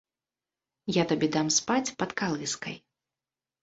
Я табе дам спаць пад калыскай!